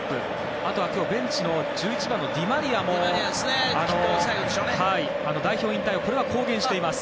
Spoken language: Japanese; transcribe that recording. あとは今日、ベンチの１１番のディマリアも代表引退を公言しています。